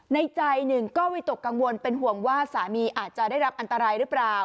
ใจหนึ่งก็วิตกกังวลเป็นห่วงว่าสามีอาจจะได้รับอันตรายหรือเปล่า